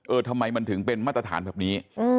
ทำไมมันถึงเป็นมาตรฐานแบบนี้